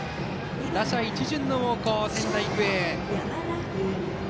打者一巡の猛攻、仙台育英。